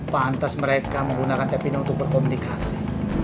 pantes mereka menggunakan tab ini untuk berkomunikasi